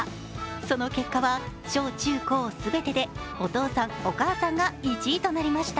その結果は、小・中・高全てでお父さん、お母さんが１位となりました。